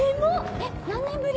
えっ何年ぶり？